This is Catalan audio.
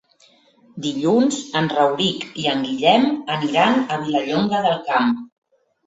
Dilluns en Rauric i en Guillem aniran a Vilallonga del Camp.